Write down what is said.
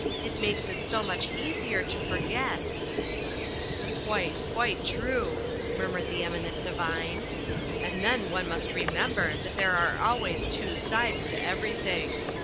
It makes it so much easier to forget." "True, quite true," murmured The Eminent Divine, "and then one must remember that there are always two sides to everything.